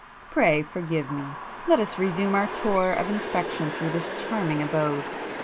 Pray forgive me! Let us resume our tour of inspection through this charming abode.